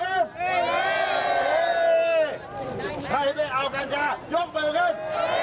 ใครไม่เอากัญชายกเบอร์กัน